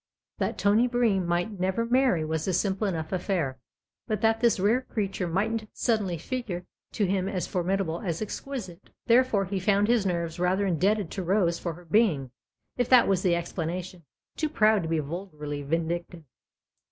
That Tony Bream might never marry was a simple enough affair, but that this rare creature mightn't suddenly figured to THE OTHER HOUSE 195 him as formidable and exquisite. Therefore he found his nerves rather indebted to Rose for her being if that was the explanation too proud to be vulgarly vindictive.